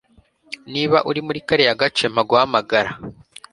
Niba uri muri kariya gace, mpa guhamagara.